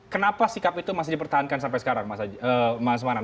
kenapa sikap itu masih dipertahankan sampai sekarang mas manan